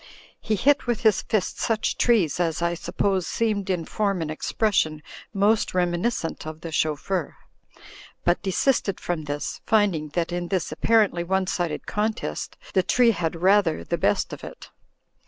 He hit with his fist such trees, as, I suppose, seemed in form and expression most reminiscent of the chauffeur; but desisted from this, finding that in this apparently one sided contest the tree had rather the best of it.